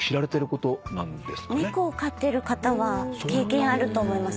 猫を飼ってる方は経験あると思います。